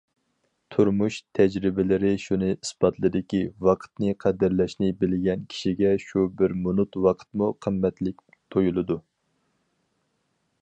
تۇرمۇش تەجرىبىلىرى شۇنى ئىسپاتلىدىكى، ۋاقىتنى قەدىرلەشنى بىلگەن كىشىگە شۇ بىر مىنۇت ۋاقىتمۇ قىممەتلىك تۇيۇلىدۇ.